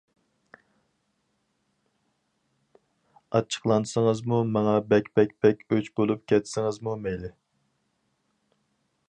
ئاچچىقلانسىڭىزمۇ ماڭا بەك بەك بەك ئۆچ بولۇپ كەتسىڭىزمۇ مەيلى!